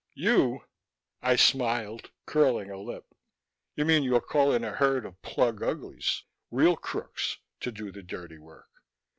"You?" I smiled, curling a lip. "You mean you'll call in a herd of plug uglies: real crooks, to do the dirty work.